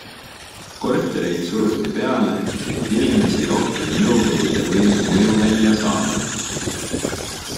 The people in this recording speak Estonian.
Kortereid suruti peale, et inimesi rohkem nõukogude võimu mõjuvälja saada.